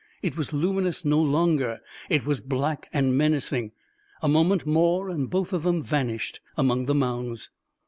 It was luminous no longer ... it was black and menacing. ... A moment more, and both of them vanished among the mounds.